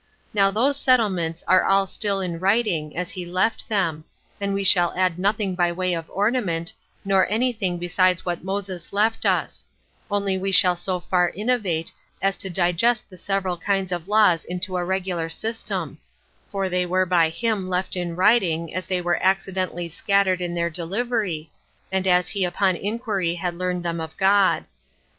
Now those settlements are all still in writing, as he left them; and we shall add nothing by way of ornament, nor any thing besides what Moses left us; only we shall so far innovate, as to digest the several kinds of laws into a regular system; for they were by him left in writing as they were accidentally scattered in their delivery, and as he upon inquiry had learned them of God.